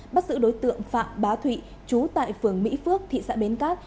bắt giữ đối tượng phạm bá thụy chú tại phường mỹ phước thị xã bến cát